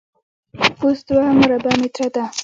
پوست دوه مربع متره ده.